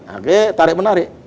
oke tarik menarik